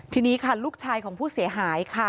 ทีนี้ค่ะลูกชายของผู้เสียหายค่ะ